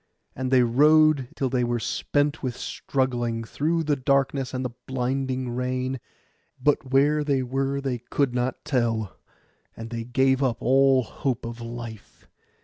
And they rowed till they were spent with struggling, through the darkness and the blinding rain; but where they were they could not tell, and they gave up all hope of life.